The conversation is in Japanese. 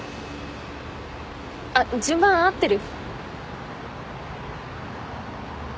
あっ順番合ってる？